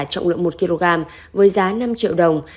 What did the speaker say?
trọng lượng một kg với giá năm triệu đồng